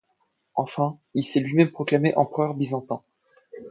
Enfin, il s'est lui-même proclamé empereur byzantin.